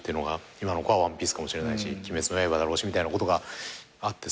今の子は『ＯＮＥＰＩＥＣＥ』かもしれないし『鬼滅の刃』だろうしみたいなことがあってさ